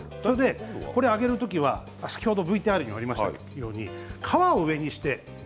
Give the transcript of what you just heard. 揚げる時は先ほどＶＴＲにもありましたように皮を上にして。